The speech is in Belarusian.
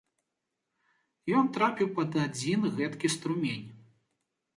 Ён трапіў пад адзін гэткі струмень.